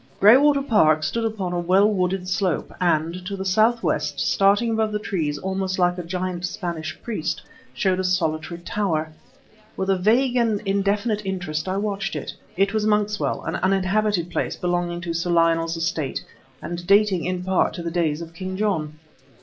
Graywater Park stood upon a well wooded slope, and, to the southwest, starting above the trees almost like a giant Spanish priest, showed a solitary tower. With a vague and indefinite interest I watched it. It was Monkswell, an uninhabited place belonging to Sir Lionel's estate and dating, in part, to the days of King John.